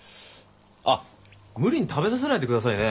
あっ無理に食べさせないでくださいね。